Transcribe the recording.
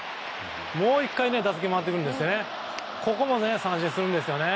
もう１回打席回ってくるんですがここも三振するんですよね。